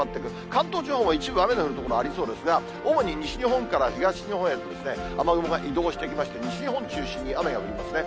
関東地方も一部、雨の降る所ありそうですが、主に西日本から東日本へと、雨雲が移動していきまして、西日本中心に雨が降りますね。